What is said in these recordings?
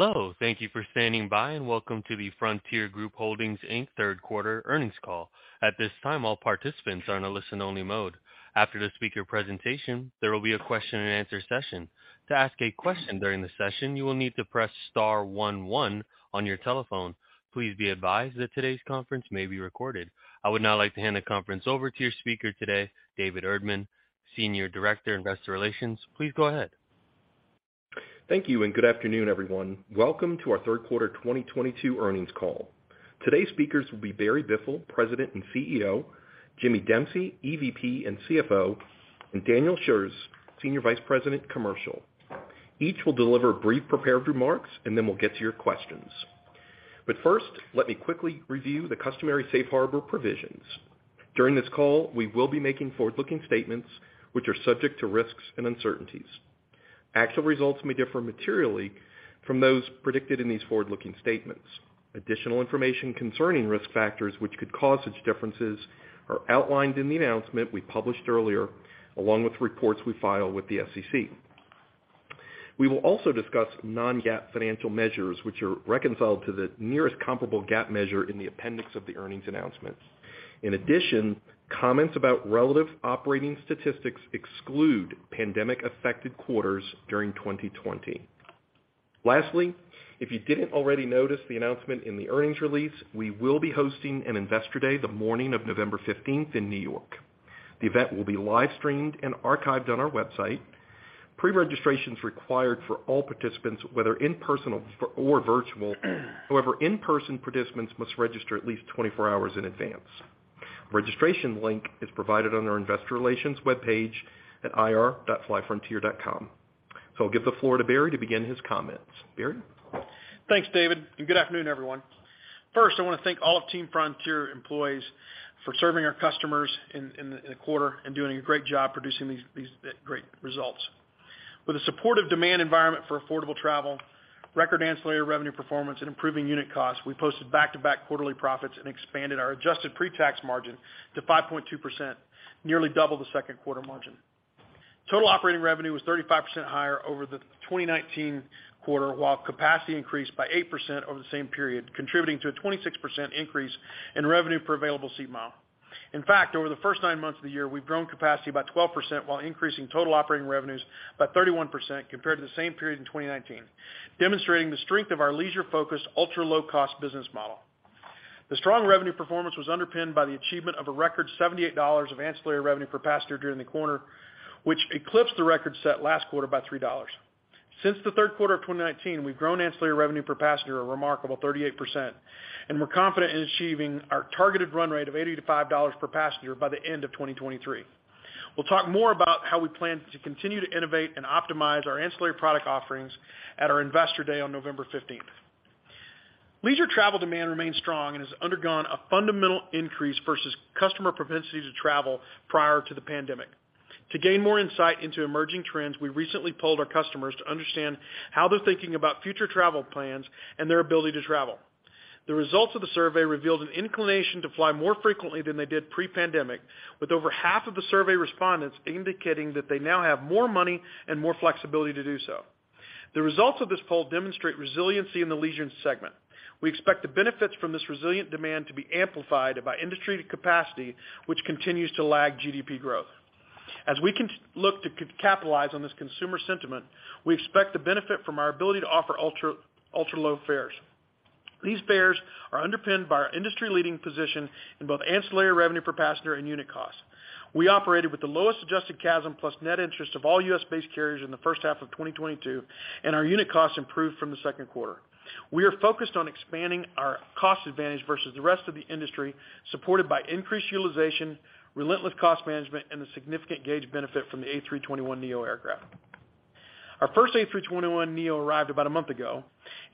Hello, thank you for standing by, and welcome to the Frontier Group Holdings, Inc. Q3 earnings call. At this time, all participants are in a listen-only mode. After the speaker presentation, there will be a Q&A session. To ask a question during the session, you will need to press star one one on your telephone. Please be advised that today's conference may be recorded. I would now like to hand the conference over to your speaker today, David Erdman, Senior Director, Investor Relations. Please go ahead. Thank you, and good afternoon, everyone. Welcome to our Q3 2022 earnings call. Today's speakers will be Barry Biffle, President and CEO, James Dempsey, EVP and CFO, and Daniel Shurz, Senior Vice President, Commercial. Each will deliver brief prepared remarks, and then we'll get to your questions. First, let me quickly review the customary safe harbor provisions. During this call, we will be making forward-looking statements which are subject to risks and uncertainties. Actual results may differ materially from those predicted in these forward-looking statements. Additional information concerning risk factors which could cause such differences are outlined in the announcement we published earlier, along with reports we file with the SEC. We will also discuss non-GAAP financial measures which are reconciled to the nearest comparable GAAP measure in the appendix of the earnings announcements. In addition, comments about relative operating statistics exclude pandemic-affected quarters during 2020. Lastly, if you didn't already notice the announcement in the earnings release, we will be hosting an Investor Day the morning of November 15th in New York. The event will be live-streamed and archived on our website. Pre-registration is required for all participants, whether in-person or virtual. However, in-person participants must register at least 24 hours in advance. Registration link is provided on our investor relations webpage at ir.flyfrontier.com. I'll give the floor to Barry to begin his comments. Barry? Thanks, David, and good afternoon, everyone. First, I wanna thank all of Team Frontier employees for serving our customers in the quarter and doing a great job producing these great results. With the support of demand environment for affordable travel, record ancillary revenue performance and improving unit costs, we posted back-to-back quarterly profits and expanded our adjusted pre-tax margin to 5.2%, nearly double the Q2 margin. Total operating revenue was 35% higher over the 2019 quarter, while capacity increased by 8% over the same period, contributing to a 26% increase in revenue per available seat mile. In fact, over the first nine months of the year, we've grown capacity by 12% while increasing total operating revenues by 31% compared to the same period in 2019, demonstrating the strength of our leisure-focused, ultra-low-cost business model. The strong revenue performance was underpinned by the achievement of a record $78 of ancillary revenue per passenger during the quarter, which eclipsed the record set last quarter by $3. Since the Q3 of 2019, we've grown ancillary revenue per passenger a remarkable 38%, and we're confident in achieving our targeted run rate of $85 per passenger by the end of 2023. We'll talk more about how we plan to continue to innovate and optimize our ancillary product offerings at our Investor Day on November 15. Leisure travel demand remains strong and has undergone a fundamental increase versus customer propensity to travel prior to the pandemic. To gain more insight into emerging trends, we recently polled our customers to understand how they're thinking about future travel plans and their ability to travel. The results of the survey revealed an inclination to fly more frequently than they did pre-pandemic, with over half of the survey respondents indicating that they now have more money and more flexibility to do so. The results of this poll demonstrate resiliency in the leisure segment. We expect the benefits from this resilient demand to be amplified by industry capacity, which continues to lag GDP growth. As we look to capitalize on this consumer sentiment, we expect to benefit from our ability to offer ultra-low fares. These fares are underpinned by our industry-leading position in both ancillary revenue per passenger and unit cost. We operated with the lowest adjusted CASM plus net interest of all U.S.-based carriers in the H1 of 2022, and our unit costs improved from the Q2. We are focused on expanding our cost advantage versus the rest of the industry, supported by increased utilization, relentless cost management, and the significant gauge benefit from the A321neo aircraft. Our first A321neo arrived about a month ago.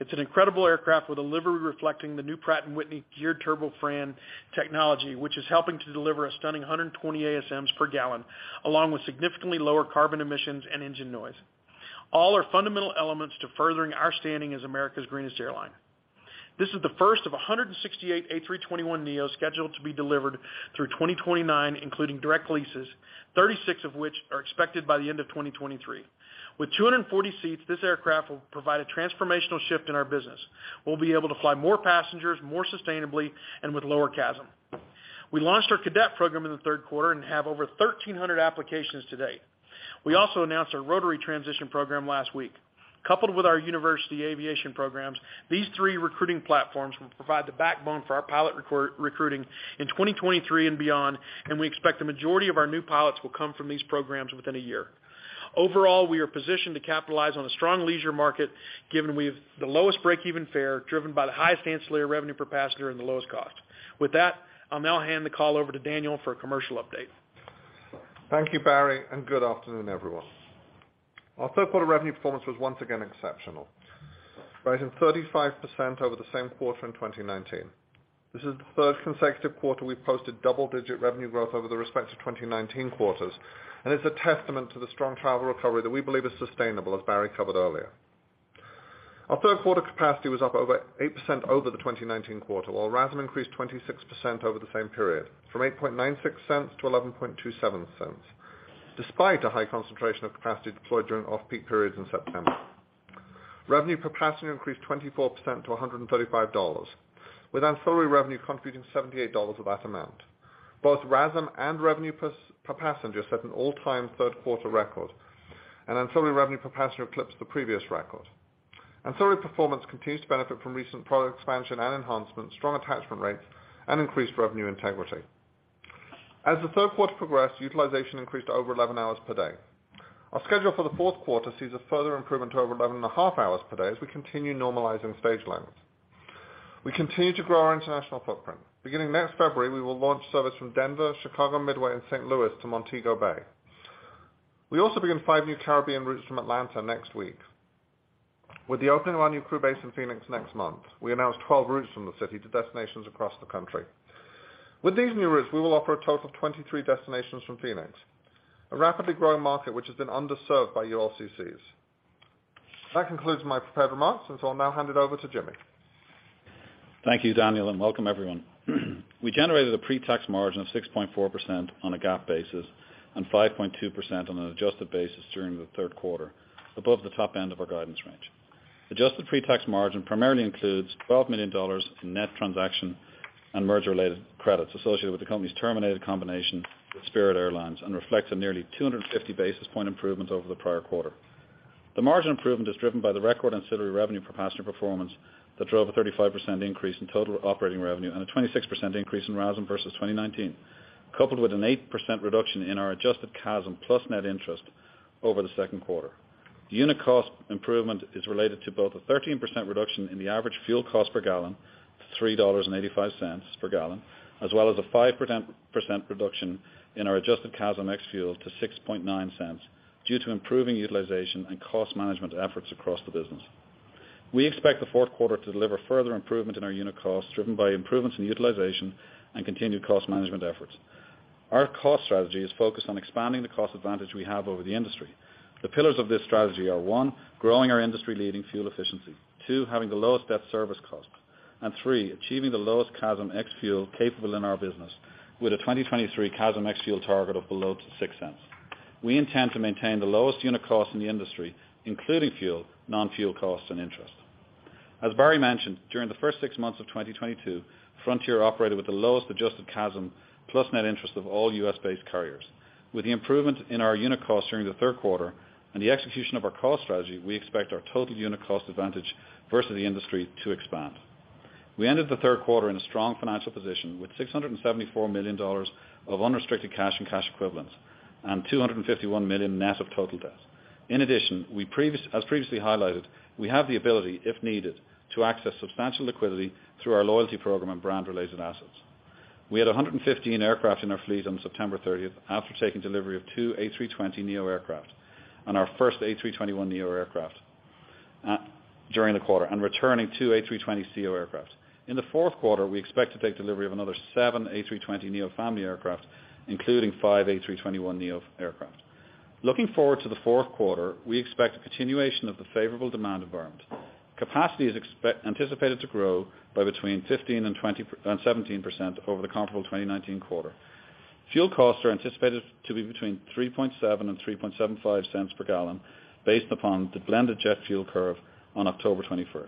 It's an incredible aircraft with a livery reflecting the new Pratt & Whitney geared turbofan technology, which is helping to deliver a stunning 120 ASMs per gallon, along with significantly lower carbon emissions and engine noise. All are fundamental elements to furthering our standing as America's greenest airline. This is the first of 168 A321neos scheduled to be delivered through 2029, including direct leases, 36 of which are expected by the end of 2023. With 240 seats, this aircraft will provide a transformational shift in our business. We'll be able to fly more passengers, more sustainably and with lower CASM. We launched our cadet program in the Q3 and have over 1,300 applications to date. We also announced our rotary transition program last week. Coupled with our university aviation programs, these three recruiting platforms will provide the backbone for our pilot recruiting in 2023 and beyond, and we expect the majority of our new pilots will come from these programs within a year. Overall, we are positioned to capitalize on a strong leisure market, given we've the lowest break-even fare, driven by the highest ancillary revenue per passenger and the lowest cost. With that, I'll now hand the call over to Daniel for a commercial update. Thank you, Barry, and good afternoon, everyone. Our Q3 revenue performance was once again exceptional, rising 35% over the same quarter in 2019. This is the third consecutive quarter we've posted double-digit revenue growth over the respective 2019 quarters, and it's a testament to the strong travel recovery that we believe is sustainable, as Barry covered earlier. Our Q3 capacity was up over 8% over the 2019 quarter, while RASM increased 26% over the same period from $0.0896-$0.1127. Despite a high concentration of capacity deployed during off-peak periods in September, revenue per passenger increased 24% to $135, with ancillary revenue contributing $78 of that amount. Both RASM and revenue per passenger set an all-time Q3 record, and ancillary revenue per passenger eclipsed the previous record. Ancillary performance continues to benefit from recent product expansion and enhancements, strong attachment rates, and increased revenue integrity. As the Q3 progressed, utilization increased to over 11 hours per day. Our schedule for the Q4 sees a further improvement to over 11.5 hours per day as we continue normalizing stage lengths. We continue to grow our international footprint. Beginning next February, we will launch service from Denver, Chicago Midway, and St. Louis to Montego Bay. We also begin five new Caribbean routes from Atlanta next week. With the opening of our new crew base in Phoenix next month, we announced 12 routes from the city to destinations across the country. With these new routes, we will offer a total of 23 destinations from Phoenix, a rapidly growing market which has been underserved by ULCCs. That concludes my prepared remarks, and so I'll now hand it over to Jimmy. Thank you, Daniel, and welcome everyone. We generated a pre-tax margin of 6.4% on a GAAP basis and 5.2% on an adjusted basis during the Q3, above the top end of our guidance range. Adjusted pre-tax margin primarily includes $12 million in net transaction and merger-related credits associated with the company's terminated combination with Spirit Airlines and reflects a nearly 250 basis point improvement over the prior quarter. The margin improvement is driven by the record ancillary revenue per passenger performance that drove a 35% increase in total operating revenue and a 26% increase in RASM versus 2019, coupled with an 8% reduction in our adjusted CASM plus net interest over the Q2. The unit cost improvement is related to both a 13% reduction in the average fuel cost per gallon to $3.85 per gallon, as well as a 5% reduction in our adjusted CASM ex-fuel to $0.069 due to improving utilization and cost management efforts across the business. We expect the Q4 to deliver further improvement in our unit costs driven by improvements in utilization and continued cost management efforts. Our cost strategy is focused on expanding the cost advantage we have over the industry. The pillars of this strategy are, one, growing our industry-leading fuel efficiency, two, having the lowest debt service cost, and three, achieving the lowest CASM ex-fuel capable in our business with a 2023 CASM ex-fuel target of below $0.06. We intend to maintain the lowest unit cost in the industry, including fuel, non-fuel costs, and interest. As Barry mentioned, during the first six months of 2022, Frontier operated with the lowest adjusted CASM plus net interest of all U.S.-based carriers. With the improvement in our unit cost during the Q3 and the execution of our cost strategy, we expect our total unit cost advantage versus the industry to expand. We ended the Q3 in a strong financial position with $674 million of unrestricted cash and cash equivalents and $251 million net of total debt. In addition, as previously highlighted, we have the ability, if needed, to access substantial liquidity through our loyalty program and brand-related assets. We had 115 aircraft in our fleet on September 30 after taking delivery of two A320neo aircraft and our first A321neo aircraft during the quarter and returning two A320ceo aircraft. In the Q4, we expect to take delivery of another seven A320neo family aircraft, including five A321neo aircraft. Looking forward to the Q4, we expect a continuation of the favorable demand environment. Capacity is anticipated to grow by between 15%-20%, 17% over the comparable 2019 quarter. Fuel costs are anticipated to be between $0.037-$0.0375 per gallon based upon the blended jet fuel curve on October 21.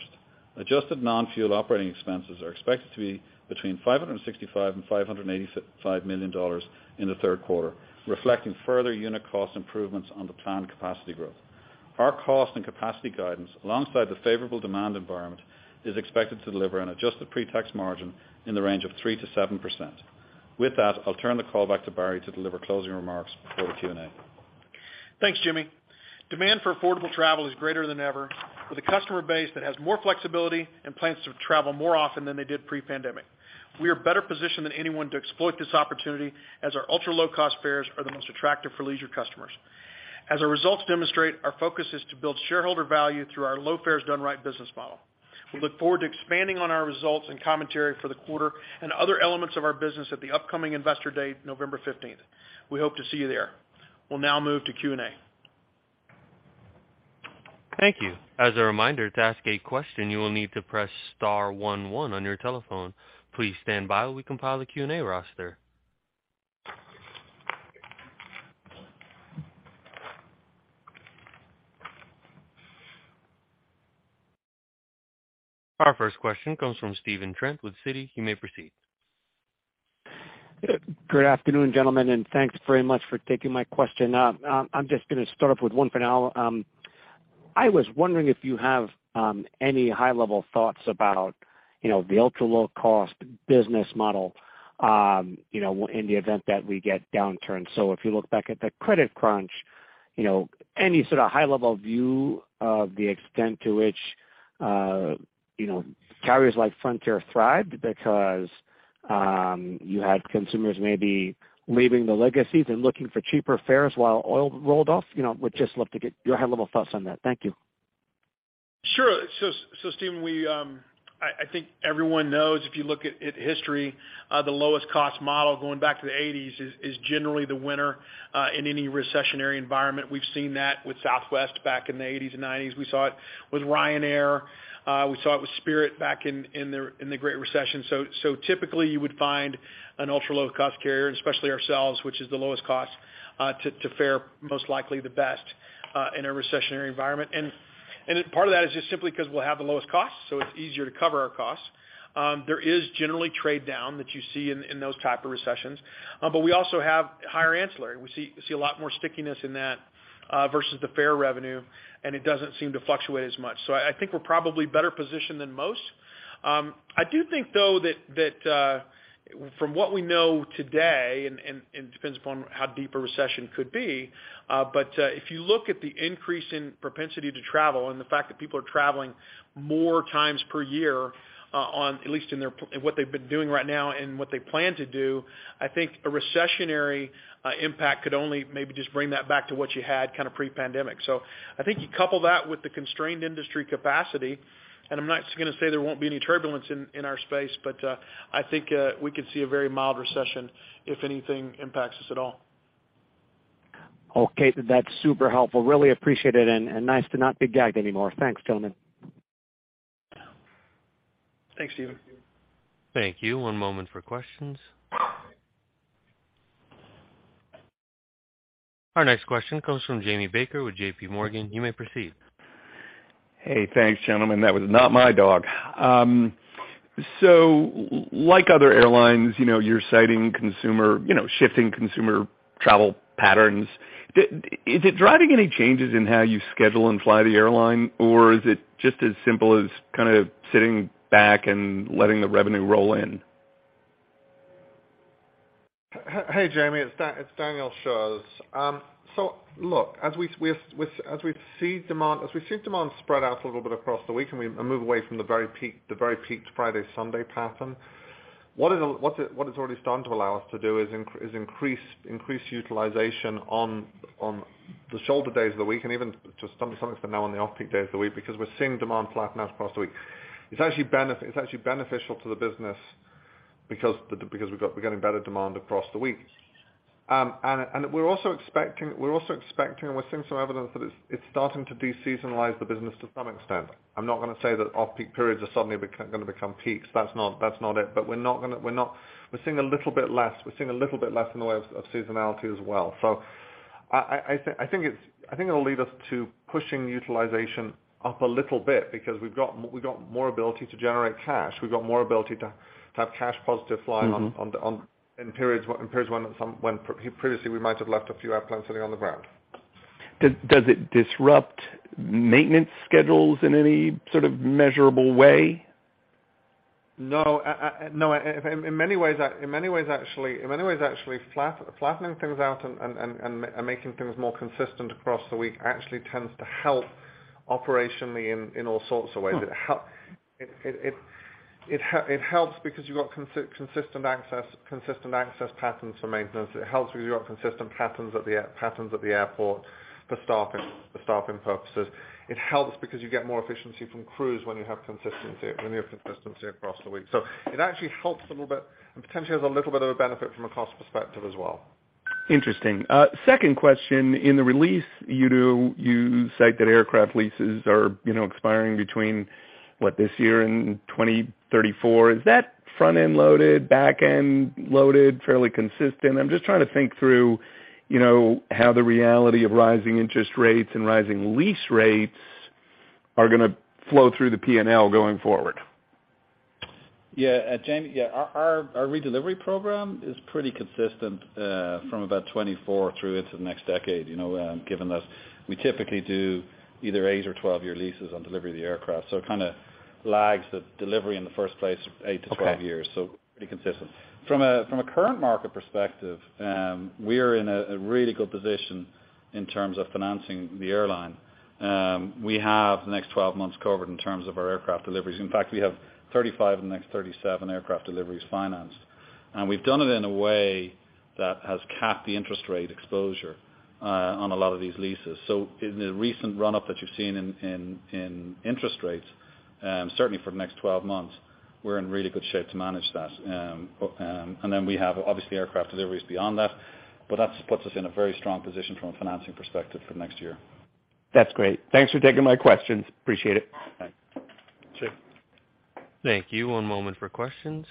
Adjusted non-fuel operating expenses are expected to be between $565 million-$585 million in the Q3, reflecting further unit cost improvements on the planned capacity growth. Our cost and capacity guidance, alongside the favorable demand environment, is expected to deliver an adjusted pre-tax margin in the range of 3%-7%. With that, I'll turn the call back to Barry to deliver closing remarks before the Q&A. Thanks, Jimmy. Demand for affordable travel is greater than ever, with a customer base that has more flexibility and plans to travel more often than they did pre-pandemic. We are better positioned than anyone to exploit this opportunity as our ultra-low-cost fares are the most attractive for leisure customers. As our results demonstrate, our focus is to build shareholder value through our low fares done right business model. We look forward to expanding on our results and commentary for the quarter and other elements of our business at the upcoming Investor Day, November fifteenth. We hope to see you there. We'll now move to Q&A. Thank you. As a reminder, to ask a question, you will need to press star one one on your telephone. Please stand by while we compile the Q&A roster. Our first question comes from Stephen Trent with Citi. You may proceed. Good afternoon, gentlemen, and thanks very much for taking my question. I'm just gonna start off with one for now. I was wondering if you have any high-level thoughts about, you know, the ultra-low-cost business model, you know, in the event that we get downturn. If you look back at the credit crunch, you know, any sort of high-level view of the extent to which, you know, carriers like Frontier thrived because you had consumers maybe leaving the legacies and looking for cheaper fares while oil rolled off? You know, would just love to get your high-level thoughts on that. Thank you. Sure. Stephen, I think everyone knows if you look at history, the lowest cost model going back to the eighties is generally the winner in any recessionary environment. We've seen that with Southwest back in the eighties and nineties. We saw it with Ryanair. We saw it with Spirit back in the Great Recession. Typically you would find an ultra-low-cost carrier, and especially ourselves, which is the lowest cost to fare most likely the best in a recessionary environment. Part of that is just simply because we'll have the lowest cost, so it's easier to cover our costs. There is generally trade-down that you see in those type of recessions. But we also have higher ancillary. We see a lot more stickiness in that versus the fare revenue, and it doesn't seem to fluctuate as much. I think we're probably better positioned than most. I do think though that from what we know today, and depends upon how deep a recession could be. If you look at the increase in propensity to travel and the fact that people are traveling more times per year, at least in what they've been doing right now and what they plan to do, I think a recessionary impact could only maybe just bring that back to what you had kind of pre-pandemic. I think you couple that with the constrained industry capacity, and I'm not gonna say there won't be any turbulence in our space, but I think we could see a very mild recession if anything impacts us at all. Okay. That's super helpful. Really appreciate it, and nice to not be gagged anymore. Thanks, gentlemen. Thanks, Stephen. Thank you. One moment for questions. Our next question comes from Jamie Baker with JPMorgan. You may proceed. Hey, thanks, gentlemen. That was not my dog. Like other airlines, you know, you're citing consumer, you know, shifting consumer travel patterns. Is it driving any changes in how you schedule and fly the airline, or is it just as simple as kind of sitting back and letting the revenue roll in? Hey, Jamie. It's Daniel Shurz. So look, as we see demand spread out a little bit across the week and move away from the very peak, the very peaked Friday, Sunday pattern, what it's already starting to allow us to do is increase utilization on the shoulder days of the week and even to some extent now on the off-peak days of the week because we're seeing demand flatten out across the week. It's actually beneficial to the business because we're getting better demand across the week. And we're also expecting and we're seeing some evidence that it's starting to de-seasonalize the business to some extent. I'm not gonna say that off-peak periods are suddenly gonna become peaks. That's not it. We're not gonna. We're seeing a little bit less in the way of seasonality as well. I think it'll lead us to pushing utilization up a little bit because we've got more ability to generate cash. We've got more ability to have cash positive flying. Mm-hmm In periods when previously we might have left a few airplanes sitting on the ground. Does it disrupt maintenance schedules in any sort of measurable way? No. In many ways, actually, flattening things out and making things more consistent across the week actually tends to help operationally in all sorts of ways. Hmm. It helps because you've got consistent access, consistent access patterns for maintenance. It helps because you've got consistent patterns at the airport for staffing, for staffing purposes. It helps because you get more efficiency from crews when you have consistency across the week. It actually helps a little bit and potentially has a little bit of a benefit from a cost perspective as well. Interesting. Second question. In the release, you cite that aircraft leases are, you know, expiring between, what, this year and 2034. Is that front-end loaded, back-end loaded, fairly consistent? I'm just trying to think through, you know, how the reality of rising interest rates and rising lease rates are gonna flow through the P&L going forward. Jamie, our redelivery program is pretty consistent from about 2024 through into the next decade, you know, given that we typically do either eight or 12 year leases on delivery of the aircraft. It kinda lags the delivery in the first place eight-12 years. Okay. Pretty consistent. From a current market perspective, we're in a really good position in terms of financing the airline. We have the next 12 months covered in terms of our aircraft deliveries. In fact, we have 35 of the next 37 aircraft deliveries financed. We've done it in a way that has capped the interest rate exposure on a lot of these leases. In the recent run-up that you've seen in interest rates, certainly for the next 12 months, we're in really good shape to manage that. We have obviously aircraft deliveries beyond that, but that puts us in a very strong position from a financing perspective for the next year. That's great. Thanks for taking my questions. Appreciate it. Thanks. Thank you. One moment for questions.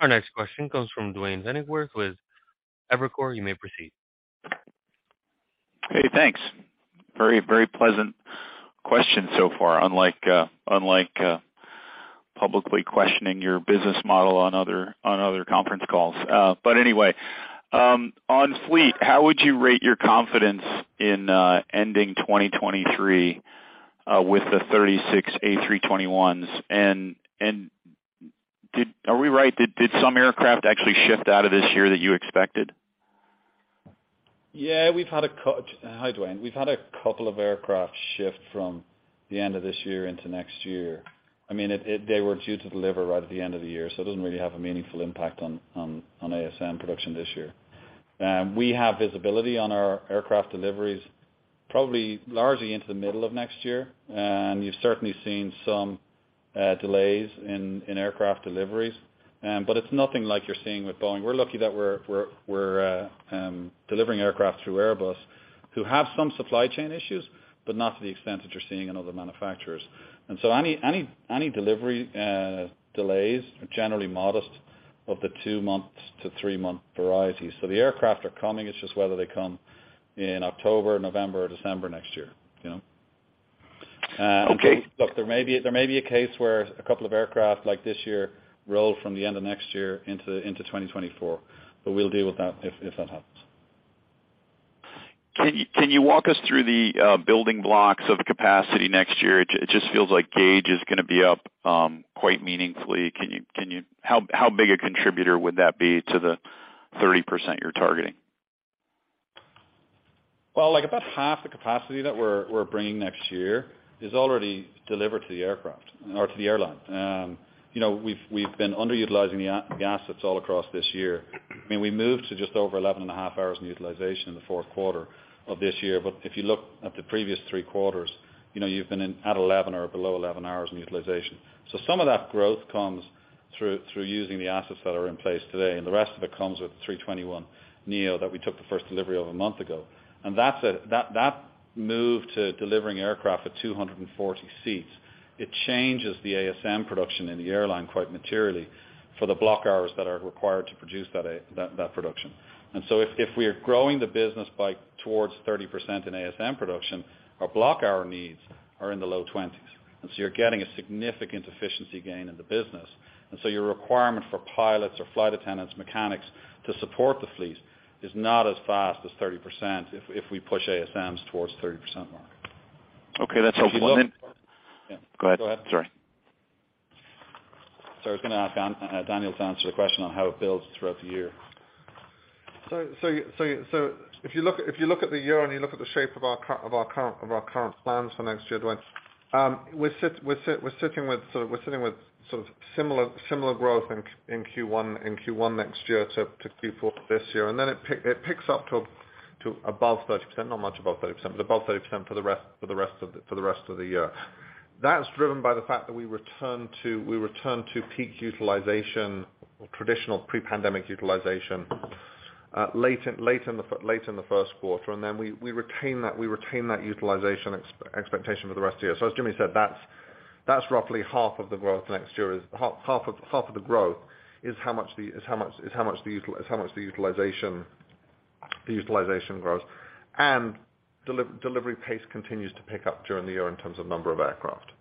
Our next question comes from Duane Pfennigwerth with Evercore. You may proceed. Hey, thanks. Very, very pleasant question so far, unlike publicly questioning your business model on other conference calls. Anyway, on fleet, how would you rate your confidence in ending 2023 with the 36 A321s? Are we right? Did some aircraft actually shift out of this year that you expected? Yeah. Hi, Duane. We've had a couple of aircraft shift from the end of this year into next year. I mean, they were due to deliver right at the end of the year, so it doesn't really have a meaningful impact on ASM production this year. We have visibility on our aircraft deliveries probably largely into the middle of next year, and you've certainly seen some delays in aircraft deliveries. It's nothing like you're seeing with Boeing. We're lucky that we're delivering aircraft through Airbus who have some supply chain issues, but not to the extent that you're seeing in other manufacturers. Any delivery delays are generally modest of the two-three month varieties. The aircraft are coming, it's just whether they come in October, November or December next year, you know? Okay. Look, there may be a case where a couple of aircraft like this year roll from the end of next year into 2024, but we'll deal with that if that happens. Can you walk us through the building blocks of capacity next year? It just feels like gauge is gonna be up quite meaningfully. How big a contributor would that be to the 30% you're targeting? Well, like about half the capacity that we're bringing next year is already delivered to the aircraft or to the airline. You know, we've been underutilizing the A-assets all across this year. I mean, we moved to just over 11.5 hours in utilization in the Q4 of this year. If you look at the previous three quarters, you know you've been in at 11 or below 11 hours in utilization. Some of that growth comes through using the assets that are in place today, and the rest of it comes with the A321neo that we took the first delivery of a month ago. That's a move to delivering aircraft at 240 seats. It changes the ASM production in the airline quite materially for the block hours that are required to produce that production. If we are growing the business by toward 30% in ASM production, our block hour needs are in the low 20s. You're getting a significant efficiency gain in the business. Your requirement for pilots or flight attendants, mechanics to support the fleet is not as fast as 30% if we push ASMs toward 30% mark. Okay. That's helpful. If you look. Go ahead. Go ahead. Sorry. Sorry. I was gonna ask Daniel to answer the question on how it builds throughout the year. If you look at the year and you look at the shape of our current plans for next year, Duane, we're sitting with sort of similar growth in Q1 next year to Q4 this year. It picks up to above 30%, not much above 30%, but above 30% for the rest of the year. That's driven by the fact that we return to peak utilization or traditional pre-pandemic utilization late in the Q1, and then we retain that utilization expectation for the rest of the year. As Jimmy said, that's roughly half of the growth next year. Half of the growth is how much the utilization grows. Delivery pace continues to pick up during the year in terms of number of aircraft.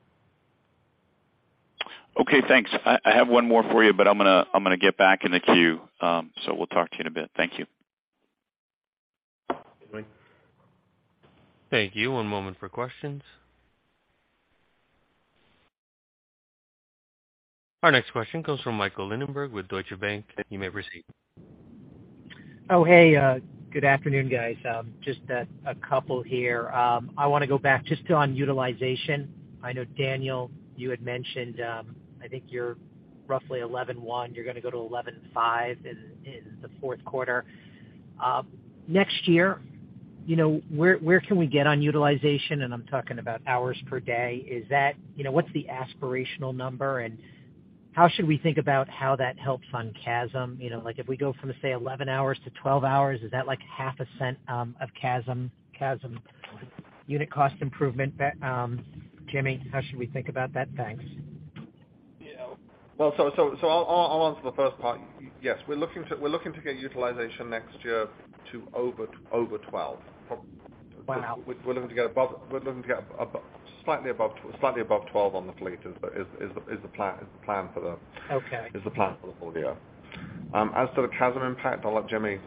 Okay, thanks. I have one more for you, but I'm gonna get back in the queue, so we'll talk to you in a bit. Thank you. Dwayne? Thank you. One moment for questions. Our next question comes from Michael Linenberg with Deutsche Bank. You may proceed. Oh, hey, good afternoon, guys. Just a couple here. I wanna go back just on utilization. I know, Daniel Shurz, you had mentioned, I think you're roughly 11.1. You're gonna go to 11.5 in the Q4. Next year, you know, where can we get on utilization? I'm talking about hours per day. Is that? You know, what's the aspirational number, and how should we think about how that helps on CASM? You know, like if we go from, say, 11 hours to 12 hours, is that like half a cent of CASM unit cost improvement? James Dempsey, how should we think about that? Thanks. Yeah. Well, I'll answer the first part. Yes, we're looking to get utilization next year to over 12, probably. Wow. We're looking to get slightly above 12 on the fleet is the plan for the- Okay. Is the plan for the full year. As to the CASM impact, I'll let Jimmy.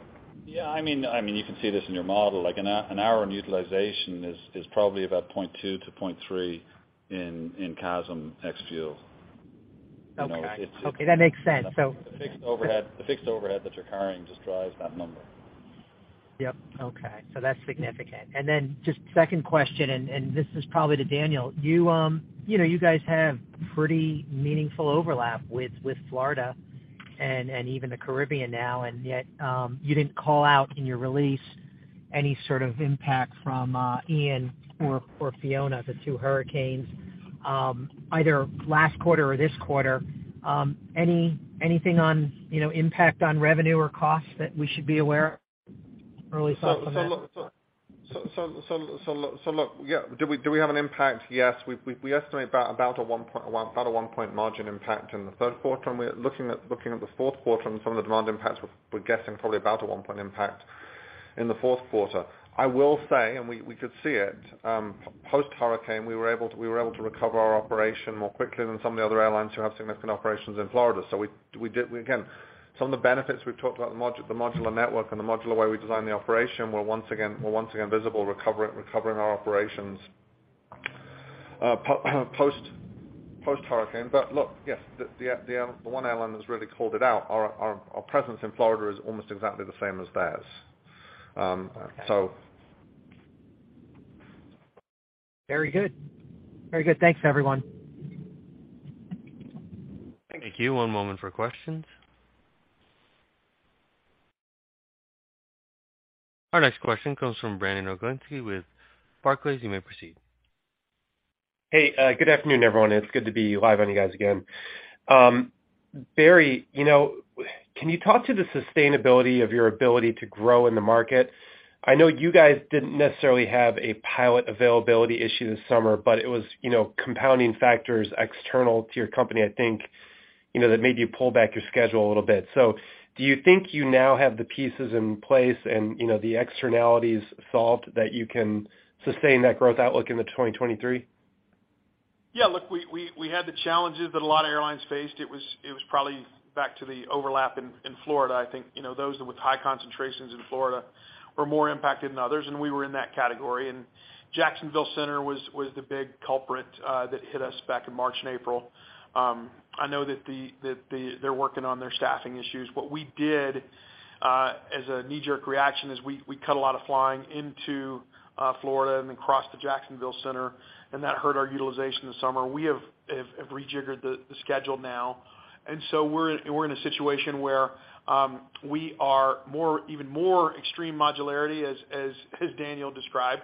Yeah, I mean, you can see this in your model. Like an hour on utilization is probably about 0.2-0.3 in CASM ex-fuel. Okay. You know, it's. Okay, that makes sense. The fixed overhead that you're carrying just drives that number. Yep. Okay. That's significant. Just second question, and this is probably to Daniel. You know, you guys have pretty meaningful overlap with Florida and even the Caribbean now, and yet, you didn't call out in your release any sort of impact from Ian or Fiona, the two hurricanes, either last quarter or this quarter. Anything on, you know, impact on revenue or costs that we should be aware of or at least thought of that? Look, yeah, do we have an impact? Yes. We estimate about a 1-point margin impact in the Q3. We're looking at the Q4 and some of the demand impacts, we're guessing probably about a 1-point impact in the Q4. I will say, we could see it post hurricane, we were able to recover our operation more quickly than some of the other airlines who have significant operations in Florida. We did. We again, some of the benefits we've talked about, the modular network and the modular way we designed the operation were once again visible recovering our operations post hurricane. Look, yes, the one airline that's really called it out, our presence in Florida is almost exactly the same as theirs. Very good. Thanks, everyone. Thank you. One moment for questions. Our next question comes from Brandon Oglenski with Barclays. You may proceed. Hey, good afternoon, everyone. It's good to be live on you guys again. Barry, you know, can you talk to the sustainability of your ability to grow in the market? I know you guys didn't necessarily have a pilot availability issue this summer, but it was, you know, compounding factors external to your company, I think, you know, that made you pull back your schedule a little bit. Do you think you now have the pieces in place and, you know, the externalities solved that you can sustain that growth outlook into 2023? Yeah. Look, we had the challenges that a lot of airlines faced. It was probably back to the overlap in Florida. I think, you know, those with high concentrations in Florida were more impacted than others, and we were in that category. Jacksonville Center was the big culprit that hit us back in March and April. I know that they're working on their staffing issues. What we did as a knee-jerk reaction is we cut a lot of flying into Florida and across the Jacksonville Center, and that hurt our utilization this summer. We have rejiggered the schedule now. We're in a situation where we are even more extreme modularity, as Daniel described,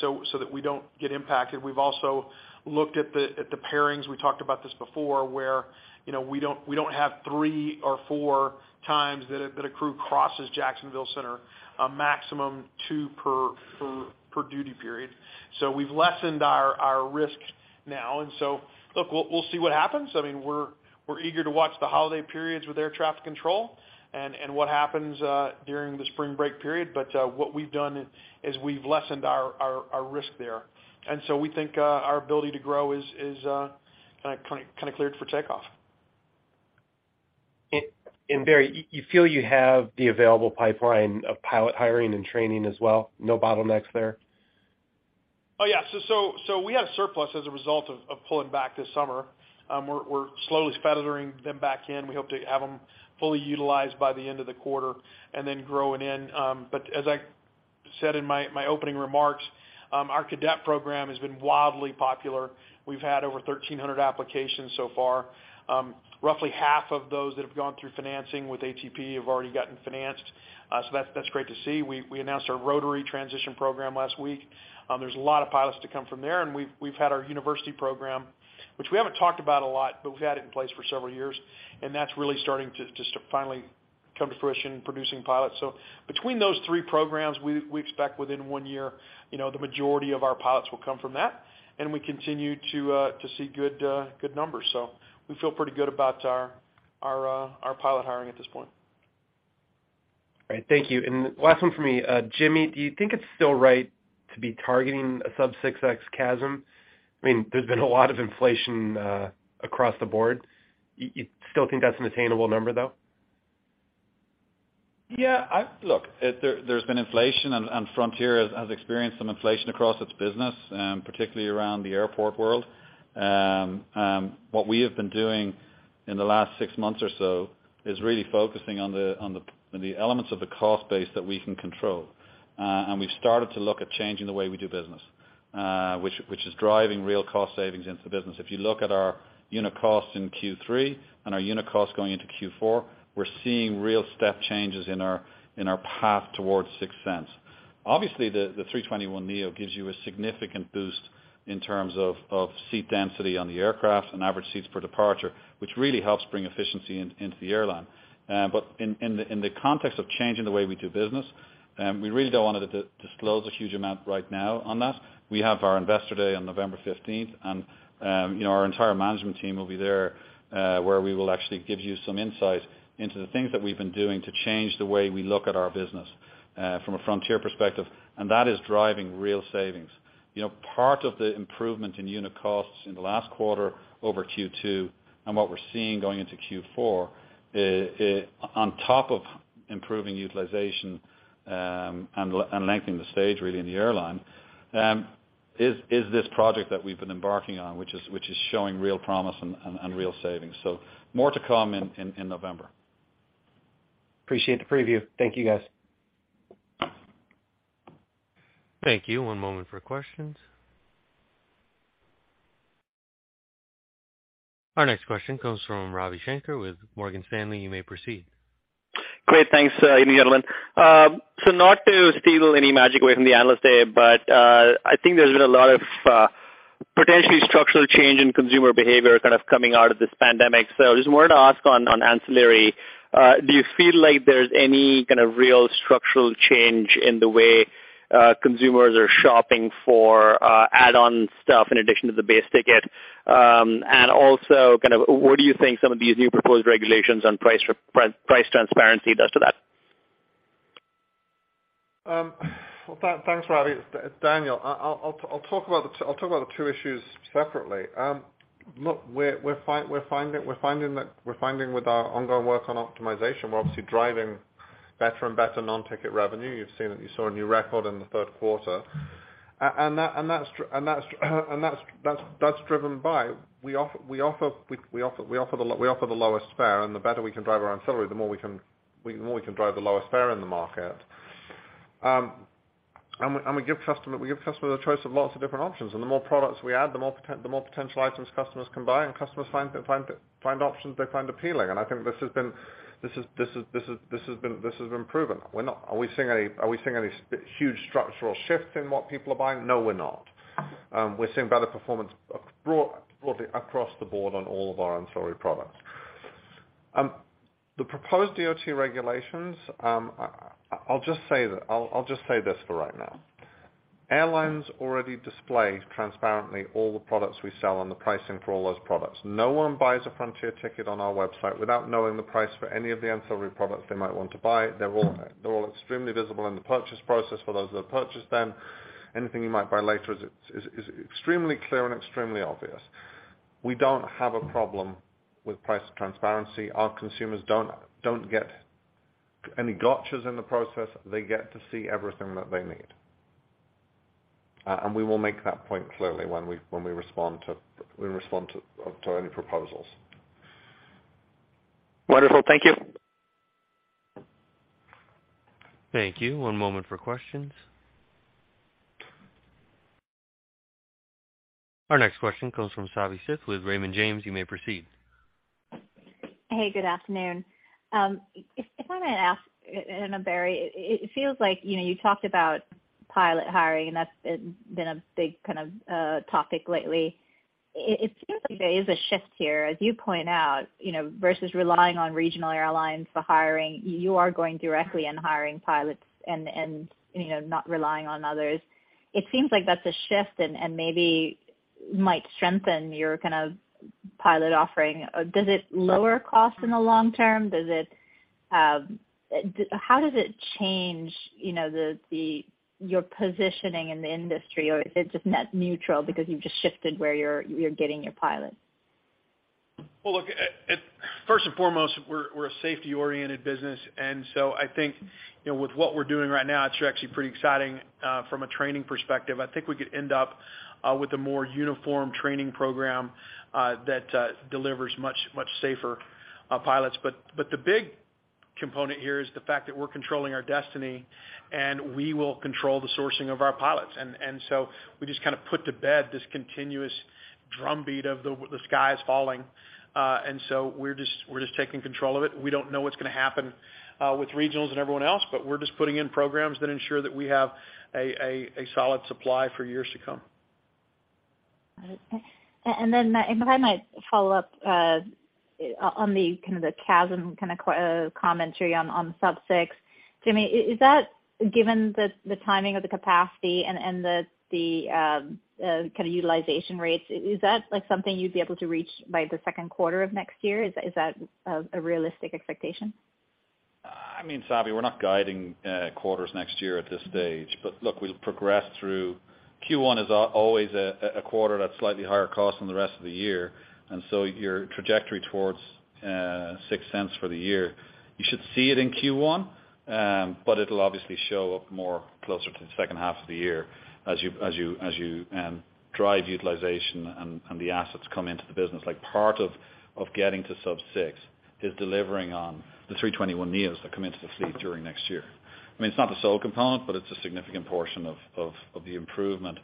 so that we don't get impacted. We've also looked at the pairings. We talked about this before, where you know we don't have three or four times that a crew crosses Jacksonville Center, a maximum two per duty period. We've lessened our risk now. Look, we'll see what happens. I mean, we're eager to watch the holiday periods with air traffic control and what happens during the spring break period. What we've done is we've lessened our risk there. We think our ability to grow is kind of cleared for takeoff. Barry, you feel you have the available pipeline of pilot hiring and training as well? No bottlenecks there? Oh, yeah. We have surplus as a result of pulling back this summer. We're slowly feathering them back in. We hope to have them fully utilized by the end of the quarter and then growing in. As I said in my opening remarks, our cadet program has been wildly popular. We've had over 1,300 applications so far. Roughly half of those that have gone through financing with ATP have already gotten financed. That's great to see. We announced our rotary transition program last week. There's a lot of pilots to come from there. We've had our university program, which we haven't talked about a lot, but we've had it in place for several years, and that's really starting to just finally come to fruition, producing pilots. Between those three programs, we expect within one year, you know, the majority of our pilots will come from that. We continue to see good numbers. We feel pretty good about our pilot hiring at this point. All right. Thank you. Last one from me. Jimmy, do you think it's still right to be targeting a sub-6x CASM? I mean, there's been a lot of inflation across the board. You still think that's an attainable number, though? Yeah. Look, there's been inflation and Frontier has experienced some inflation across its business, particularly around the airport world. What we have been doing in the last six months or so is really focusing on the elements of the cost base that we can control. We've started to look at changing the way we do business, which is driving real cost savings into the business. If you look at our unit costs in Q3 and our unit costs going into Q4, we're seeing real step changes in our path towards $0.06. Obviously, the A321neo gives you a significant boost in terms of seat density on the aircraft and average seats per departure, which really helps bring efficiency into the airline. In the context of changing the way we do business, we really don't wanna disclose a huge amount right now on that. We have our Investor Day on November fifteenth, and you know, our entire management team will be there, where we will actually give you some insight into the things that we've been doing to change the way we look at our business, from a Frontier perspective, and that is driving real savings. You know, part of the improvement in unit costs in the last quarter over Q2 and what we're seeing going into Q4, on top of improving utilization, and lengthening the stage really in the airline, is this project that we've been embarking on, which is showing real promise and real savings. More to come in November. Appreciate the preview. Thank you, guys. Thank you. One moment for questions. Our next question comes from Ravi Shanker with Morgan Stanley. You may proceed. Great. Thanks, gentlemen. I think there's been a lot of potentially structural change in consumer behavior kind of coming out of this pandemic. Just wanted to ask on ancillary, do you feel like there's any kind of real structural change in the way consumers are shopping for add-on stuff in addition to the base ticket? Also, kind of, what do you think some of these new proposed regulations on price transparency does to that? Thanks, Ravi. Daniel, I'll talk about the two issues separately. We're finding that with our ongoing work on optimization, we're obviously driving better and better non-ticket revenue. You've seen it. You saw a new record in the Q3. That's driven by we offer the lowest fare, and the better we can drive our ancillary, the more we can drive the lowest fare in the market. We give customers a choice of lots of different options. The more products we add, the more potential items customers can buy, and customers find options they find appealing. I think this has been proven. Are we seeing any huge structural shifts in what people are buying? No, we're not. We're seeing better performance broadly across the board on all of our ancillary products. The proposed DOT regulations. I'll just say this for right now. Airlines already display transparently all the products we sell and the pricing for all those products. No one buys a Frontier ticket on our website without knowing the price for any of the ancillary products they might want to buy. They're all extremely visible in the purchase process for those that purchase them. Anything you might buy later is extremely clear and extremely obvious. We don't have a problem with price transparency. Our consumers don't get any gotchas in the process. They get to see everything that they need. We will make that point clearly when we respond to any proposals. Wonderful. Thank you. Thank you. One moment for questions. Our next question comes from Savanthi Syth with Raymond James, you may proceed. Hey, good afternoon. If I may ask, it feels like, you know, you talked about pilot hiring, and that's been a big kind of topic lately. It seems like there is a shift here, as you point out, you know, versus relying on regional airlines for hiring, you are going directly and hiring pilots and, you know, not relying on others. It seems like that's a shift and maybe might strengthen your kind of pilot offering. Does it lower costs in the long term? How does it change your positioning in the industry, or is it just net neutral because you've just shifted where you're getting your pilots? Well, look, first and foremost, we're a safety-oriented business, and so I think, you know, with what we're doing right now, it's actually pretty exciting from a training perspective. I think we could end up with a more uniform training program that delivers much safer pilots. The big component here is the fact that we're controlling our destiny, and we will control the sourcing of our pilots. We just kind of put to bed this continuous drumbeat of the sky is falling, and so we're just taking control of it. We don't know what's gonna happen with regionals and everyone else, but we're just putting in programs that ensure that we have a solid supply for years to come. Got it. If I might follow up on the kind of CASM commentary on sub six. Jimmy, is that, given the timing of the capacity and the kind of utilization rates, like something you'd be able to reach by the Q2 of next year? Is that a realistic expectation? I mean, Savi, we're not guiding quarters next year at this stage. Look, we'll progress through. Q1 is always a quarter that's slightly higher cost than the rest of the year, and so your trajectory towards $0.06 for the year, you should see it in Q1, but it'll obviously show up more closer to the H2 of the year as you drive utilization and the assets come into the business. Like part of getting to sub-6 is delivering on the 321neos that come into the fleet during next year. I mean, it's not the sole component, but it's a significant portion of the improvement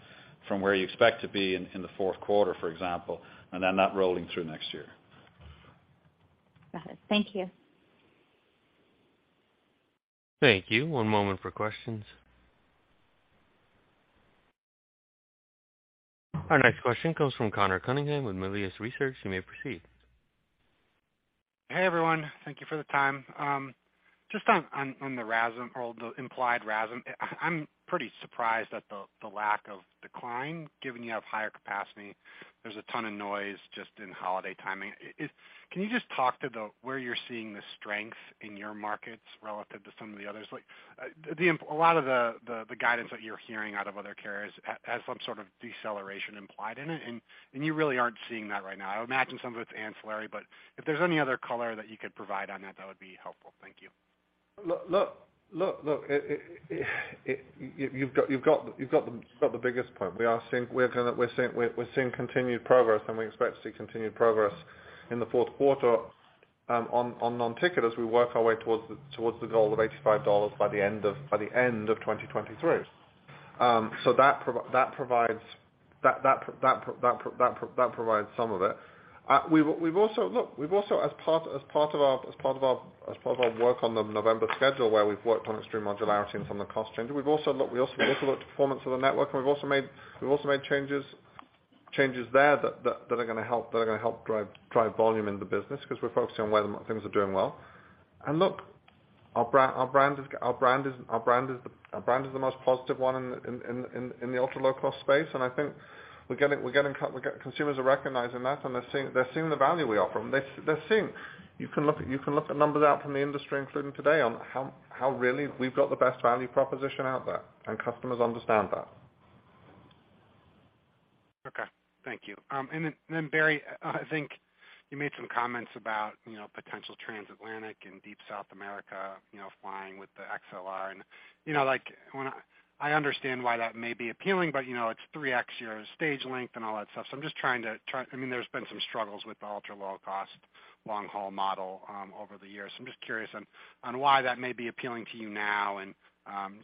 from where you expect to be in the Q4, for example, and then that rolling through next year. Got it. Thank you. Thank you. One moment for questions. Our next question comes from Conor Cunningham with Melius Research. You may proceed. Hey, everyone. Thank you for the time. Just on the RASM or the implied RASM, I'm pretty surprised at the lack of decline given you have higher capacity. There's a ton of noise just in holiday timing. Can you just talk to the where you're seeing the strength in your markets relative to some of the others? Like, a lot of the guidance that you're hearing out of other carriers has some sort of deceleration implied in it, and you really aren't seeing that right now. I would imagine some of it's ancillary, but if there's any other color that you could provide on that would be helpful. Thank you. Look, you've got the biggest point. We are seeing continued progress, and we expect to see continued progress in the Q4 on non-ticket as we work our way towards the goal of $85 by the end of 2023. So that provides some of it. Look, we've also as part of our work on the November schedule, where we've worked on extreme modularity and some of the cost changes, we've also looked at performance of the network, and we've also made changes there that are gonna help drive volume in the business because we're focused on where the things are doing well. Look, our brand is the most positive one in the ultra-low-cost space, and I think consumers are recognizing that, and they're seeing the value we offer them. They're seeing. You can look at numbers out from the industry, including today, on how really we've got the best value proposition out there, and customers understand that. Okay. Thank you. Barry, I think you made some comments about, you know, potential transatlantic and deep South America, you know, flying with the A321XLR and, you know, like, when I understand why that may be appealing, but, you know, it's 3x your stage length and all that stuff. I'm just trying to. I mean, there's been some struggles with the ultra-low-cost long-haul model over the years. I'm just curious on why that may be appealing to you now and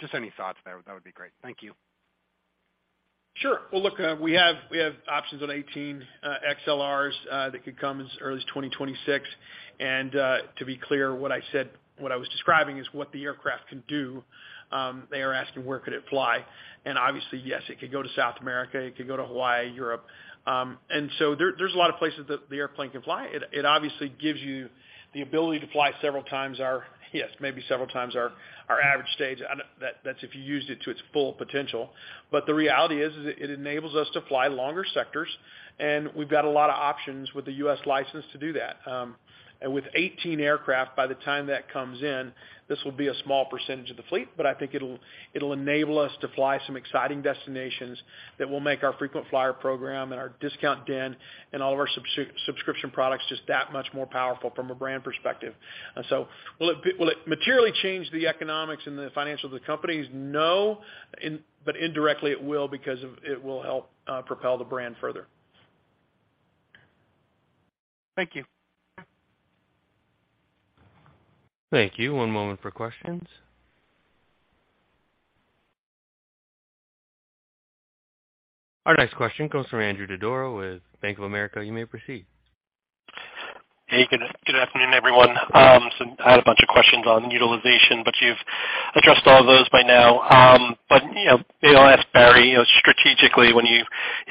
just any thoughts there, that would be great. Thank you. Sure. Well, look, we have options on 18 XLRs that could come as early as 2026. To be clear, what I said, what I was describing is what the aircraft can do. They are asking where could it fly, and obviously, yes, it could go to South America, it could go to Hawaii, Europe. There's a lot of places that the airplane can fly. It obviously gives you the ability to fly several times our average stage. Yes, maybe several times our average stage. That's if you used it to its full potential. The reality is it enables us to fly longer sectors, and we've got a lot of options with the U.S. license to do that. With 18 aircraft, by the time that comes in, this will be a small percentage of the fleet, but I think it'll enable us to fly some exciting destinations that will make our frequent flyer program and our Discount Den and all of our subscription products just that much more powerful from a brand perspective. Will it materially change the economics and the financials of the companies? No. But indirectly it will because it will help propel the brand further. Thank you. Thank you. One moment for questions. Our next question comes from Andrew Didora with Bank of America. You may proceed. Hey, good. Good afternoon, everyone. I had a bunch of questions on utilization, but you've addressed all those by now. You know, maybe I'll ask Barry you know strategically when you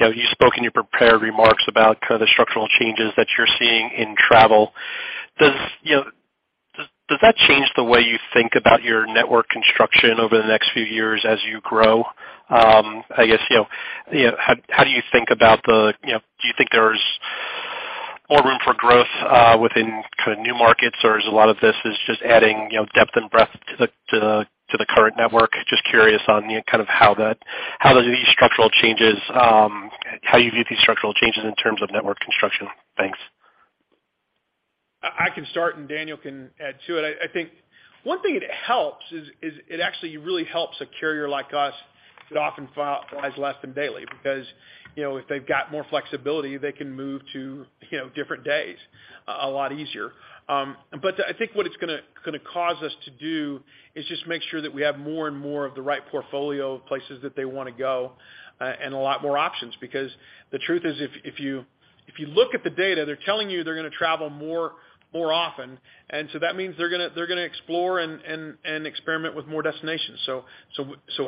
you know you spoke in your prepared remarks about kind of the structural changes that you're seeing in travel. Does that change the way you think about your network construction over the next few years as you grow? I guess you know how do you think about the you know do you think there's more room for growth within kind of new markets or is a lot of this just adding you know depth and breadth to the current network? Just curious on, you know, kind of how you view these structural changes in terms of network construction. Thanks. I can start, and Daniel can add to it. I think one thing it helps is it actually really helps a carrier like us that often flies less than daily. Because you know, if they've got more flexibility, they can move to you know, different days a lot easier. I think what it's gonna cause us to do is just make sure that we have more and more of the right portfolio of places that they wanna go, and a lot more options. Because the truth is, if you look at the data, they're telling you they're gonna travel more often. That means they're gonna explore and experiment with more destinations.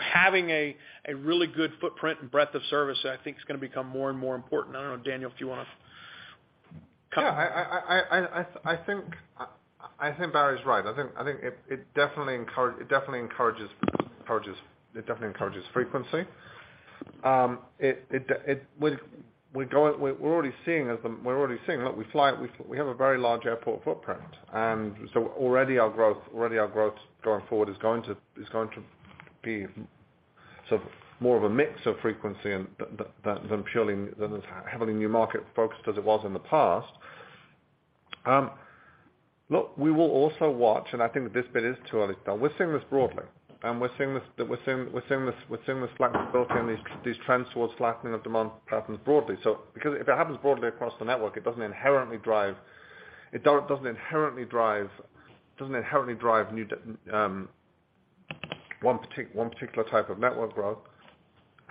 Having a really good footprint and breadth of service, I think is gonna become more and more important. I don't know, Daniel, if you wanna comment. Yeah, I think Barry's right. I think it definitely encourages frequency. It definitely encourages frequency. We're already seeing. Look, we have a very large airport footprint, and so already our growth going forward is going to be sort of more of a mix of frequency than it is heavily new market focused as it was in the past. Look, we will also watch, and I think that this bit is too early still. We're seeing this broadly, and we're seeing this flexibility and these trends towards flattening of demand patterns broadly. Because if it happens broadly across the network, it doesn't inherently drive one particular type of network growth.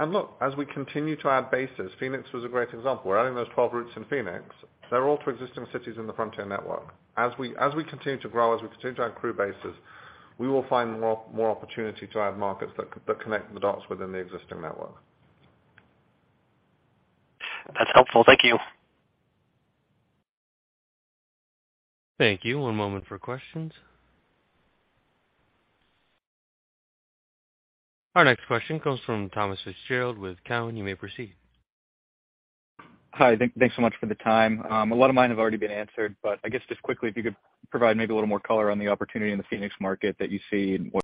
Look, as we continue to add bases, Phoenix was a great example. We're adding those 12 routes in Phoenix. They're all to existing cities in the Frontier network. As we continue to grow, as we continue to add crew bases, we will find more opportunity to add markets that connect the dots within the existing network. That's helpful. Thank you. Thank you. One moment for questions. Our next question comes from Tom Fitzgerald with Cowen. You may proceed. Hi. Thanks so much for the time. A lot of mine have already been answered, but I guess just quickly, if you could provide maybe a little more color on the opportunity in the Phoenix market that you see and what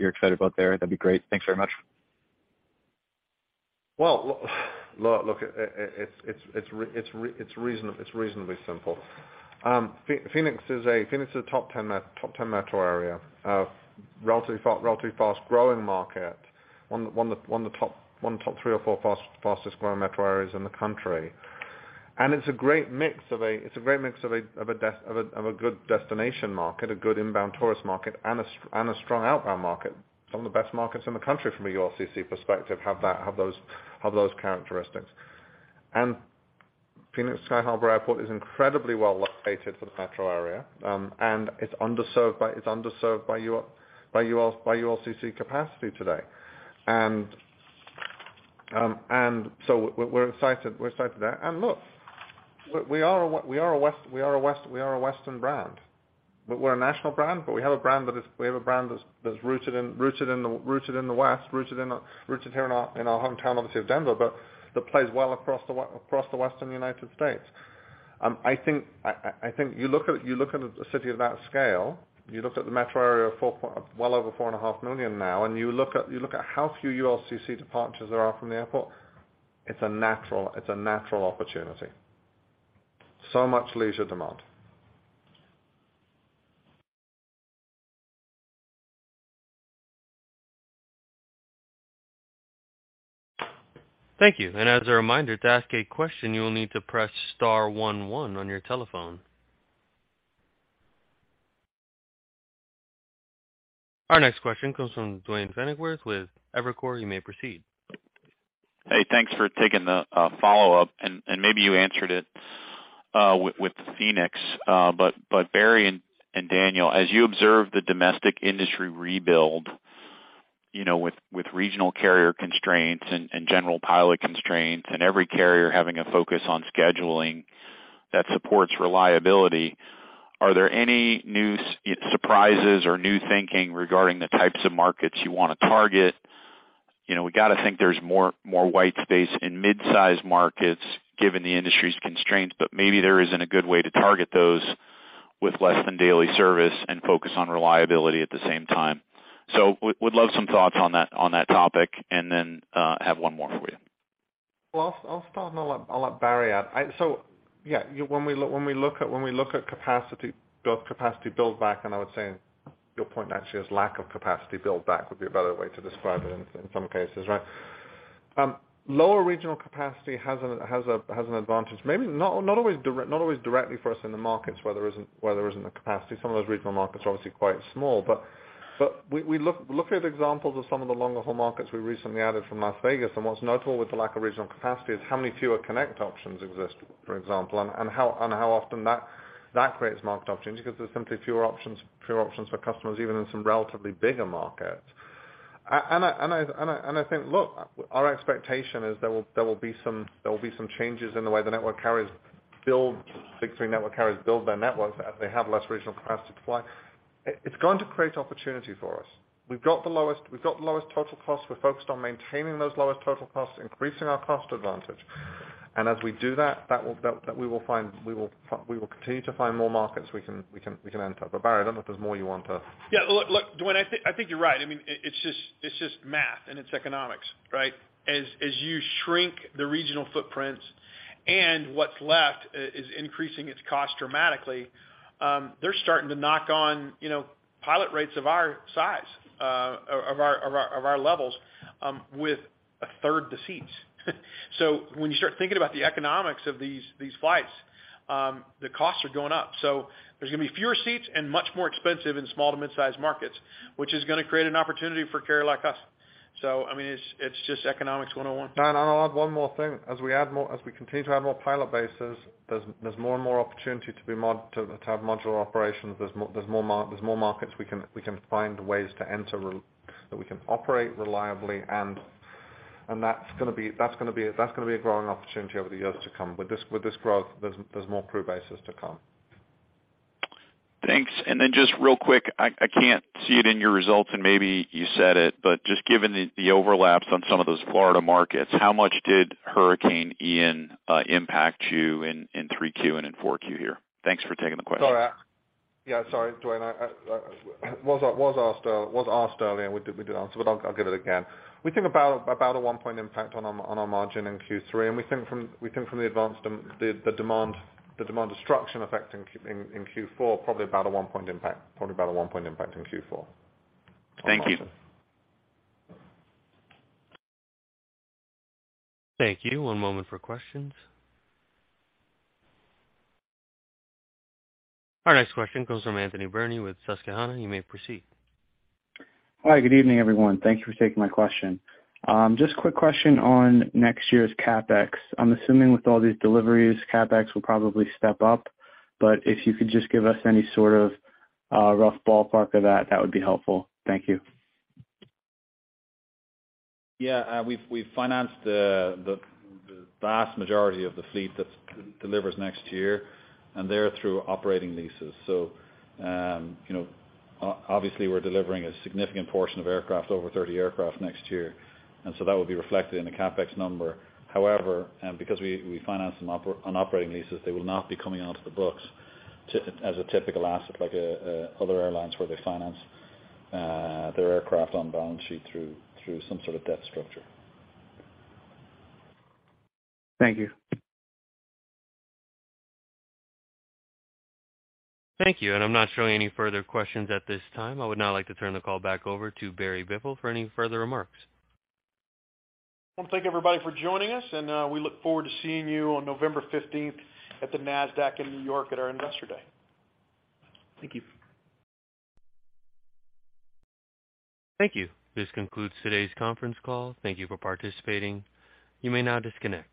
you're excited about there, that'd be great. Thanks very much. Well, look, it's reasonably simple. Phoenix is a top ten metro area. Relatively fast-growing market. One of the top three or four fastest growing metro areas in the country. It's a great mix of a good destination market, a good inbound tourist market and a strong outbound market. Some of the best markets in the country from a ULCC perspective have those characteristics. Phoenix Sky Harbor Airport is incredibly well located for the metro area, and it's underserved by ULCC capacity today. We're excited there. Look, we are a Western brand. We're a national brand, but we have a brand that's rooted in the West, rooted here in our hometown obviously of Denver, but that plays well across the western United States. I think you look at a city of that scale, you look at the metro area of well over 4.5 million now, and you look at how few ULCC departures there are from the airport, it's a natural opportunity. So much leisure demand. Thank you. As a reminder, to ask a question, you will need to press star one one on your telephone. Our next question comes from Duane Pfennigwerth with Evercore. You may proceed. Hey, thanks for taking the follow-up. Maybe you answered it with Phoenix, but Barry and Daniel, as you observe the domestic industry rebuild, you know, with regional carrier constraints and general pilot constraints, and every carrier having a focus on scheduling that supports reliability, are there any new surprises or new thinking regarding the types of markets you wanna target? You know, we gotta think there's more white space in mid-size markets given the industry's constraints, but maybe there isn't a good way to target those with less than daily service and focus on reliability at the same time. Would love some thoughts on that topic, and then have one more for you. Well, I'll start, and I'll let Barry add. So yeah, when we look at capacity build back, and I would say your point actually is lack of capacity build back would be a better way to describe it in some cases, right? Lower regional capacity has an advantage, maybe not always directly for us in the markets where there isn't a capacity. Some of those regional markets are obviously quite small. We look at examples of some of the longer-haul markets we recently added from Las Vegas, and what's notable with the lack of regional capacity is how many fewer connect options exist, for example, and how often that creates market options because there's simply fewer options for customers, even in some relatively bigger markets. I think, look, our expectation is there will be some changes in the way the big three network carriers build their networks as they have less regional capacity to fly. It's going to create opportunity for us. We've got the lowest total cost. We're focused on maintaining those lowest total costs, increasing our cost advantage. As we do that, we will continue to find more markets we can enter. Barry, I don't know if there's more you want to. Yeah, look, Duane, I think you're right. I mean, it's just math and it's economics, right? As you shrink the regional footprints and what's left is increasing its cost dramatically, they're starting to knock on, you know, pilot rates of our size, of our levels, with a third the seats. When you start thinking about the economics of these flights, the costs are going up. There's gonna be fewer seats and much more expensive in small to mid-sized markets, which is gonna create an opportunity for a carrier like us. I mean, it's just economics 101. I'll add one more thing. As we add more, as we continue to add more pilot bases, there's more and more opportunity to have modular operations. There's more markets we can find ways to enter that we can operate reliably. That's gonna be a growing opportunity over the years to come. With this growth, there's more crew bases to come. Thanks. Just real quick, I can't see it in your results and maybe you said it, but just given the overlaps on some of those Florida markets, how much did Hurricane Ian impact you in 3Q and in 4Q here? Thanks for taking the question. Sorry. Yeah, sorry, Duane. I was asked earlier, and we did answer, but I'll give it again. We think about a 1-point impact on our margin in Q3, and we think from the demand destruction effect in Q4, probably about a 1-point impact in Q4. Thank you. Thank you. One moment for questions. Our next question comes from Christopher Stathoulopoulos with Susquehanna. You may proceed. Hi, good evening, everyone. Thank you for taking my question. Just quick question on next year's CapEx. I'm assuming with all these deliveries, CapEx will probably step up, but if you could just give us any sort of rough ballpark of that would be helpful. Thank you. We've financed the vast majority of the fleet that delivers next year and they're through operating leases. You know, obviously, we're delivering a significant portion of aircraft, over 30 aircraft next year, and that will be reflected in the CapEx number. However, because we finance them on operating leases, they will not be coming onto the books as a typical asset like other airlines where they finance their aircraft on balance sheet through some sort of debt structure. Thank you. Thank you. I'm not showing any further questions at this time. I would now like to turn the call back over to Barry Biffle for any further remarks. Well, thank you everybody for joining us, and we look forward to seeing you on November 15th at the Nasdaq in New York at our Investor Day. Thank you. Thank you. This concludes today's conference call. Thank you for participating. You may now disconnect.